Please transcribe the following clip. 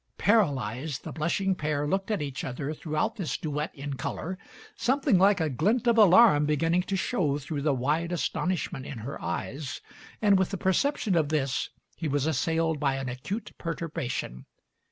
Paralyzed, the blushing pair looked at each other throughout this duet in colour, some thing like a glint of alarm beginning to show through the wide astonishment in her eyes; and with the perception of this he was assailed by an acute perturbation.